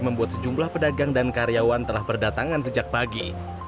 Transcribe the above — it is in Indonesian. membuat sejumlah pedagang dan karyawan telah berdatangan sejak pagi